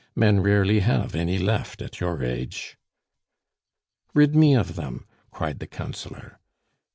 "Men rarely have any left at your age!" "Rid me of them!" cried the Councillor.